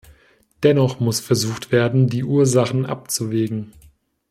Dennoch muss versucht werden, die Ursachen abzuwägen.